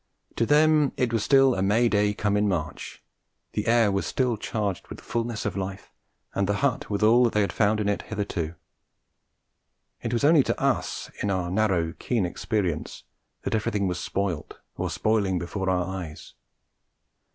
To them it was still a May day come in March, the air was still charged with the fulness of life, and the hut with all that they had found in it hitherto. It was only to us, in our narrow, keen experience, that everything was spoilt, or spoiling before our eyes.